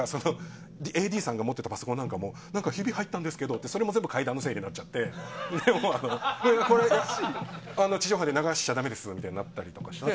ＡＤさんが持っていたパソコンとかも何かひび入ったんですけどってそれも全部怪談のせいになっちゃって地上波で流しちゃだめですってなったりして。